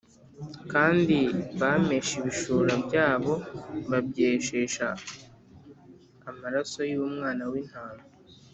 kandi bameshe ibishura byabo babyejesha amaraso y’Umwana w’Intama.